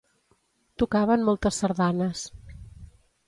Tocaven moltes sardanes.